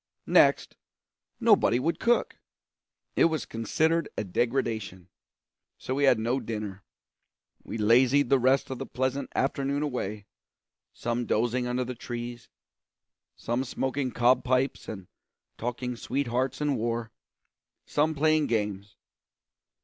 Next, nobody would cook; it was considered a degradation; so we had no dinner. We lazied the rest of the pleasant afternoon away, some dozing under the trees, some smoking cob pipes and talking sweethearts and war, some playing games.